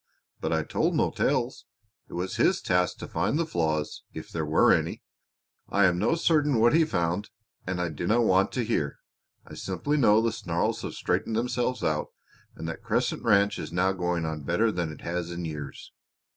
But I told no tales. It was his task to find the flaws if there were any. I am no certain what he found and I dinna want to hear. I simply know the snarls have straightened themselves out, and that Crescent Ranch is now going on better than it has in years.